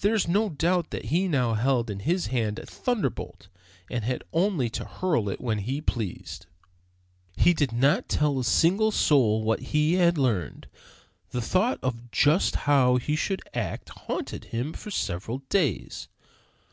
There is no doubt that he now held in his hand a thunderbolt, and had only to hurl it when he pleased. He did not tell a single soul what he had learned. The thought of just how he should act haunted him for several days.